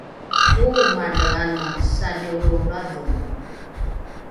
oomale ana salilroolradhongo